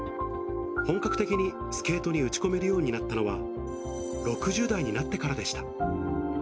本格的にスケートに打ち込めるようになったのは６０代になってからでした。